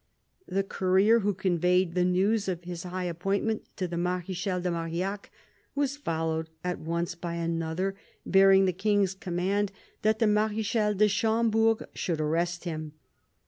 The courier who conveyed the news of his high appointment to the Marechal de Marillac was followed at once by another, bearing the King's command that the Marechal de Schom berg should arrest him.